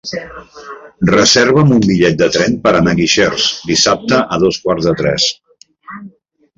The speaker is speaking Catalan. Reserva'm un bitllet de tren per anar a Guixers dissabte a dos quarts de tres.